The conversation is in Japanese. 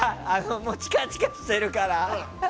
もうチカチカしてるから。